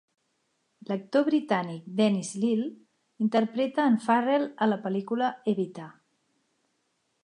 L'actor britànic Denis Lill interpreta en Farrell a la pel·lícula "Evita".